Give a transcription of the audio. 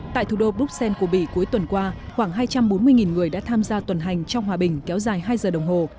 tại thủ đô bruxelles của bỉ cuối tuần qua khoảng hai trăm bốn mươi người đã tham gia tuần hành trong hòa bình kéo dài hai giờ đồng hồ